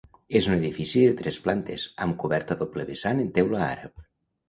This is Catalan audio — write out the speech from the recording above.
És un edifici de tres plantes, amb coberta a doble vessant en teula àrab.